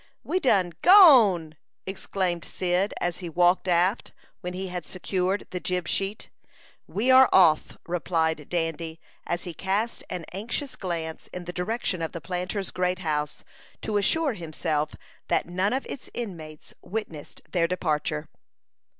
"We done gone!" exclaimed Cyd, as he walked aft, when he had secured the jib sheet. "We are off!" replied Dandy, as he cast an anxious glance in the direction of the planter's great house, to assure himself that none of its inmates witnessed their departure.